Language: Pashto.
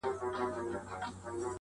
ته خبر یې د تودې خوني له خونده؟،!